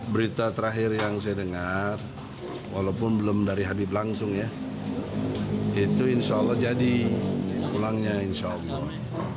berita terakhir yang saya dengar walaupun belum dari habib langsung ya itu insya allah jadi pulangnya insya allah